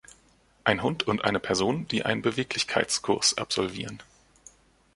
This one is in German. Ein Hund und eine Person, die einen Beweglichkeitskurs absolvieren.